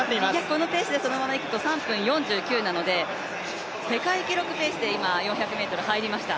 このペースでこのままいくと３分４９なので、世界記録ペースで今４００ｍ入りました。